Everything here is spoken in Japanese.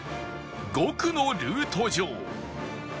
５区のルート上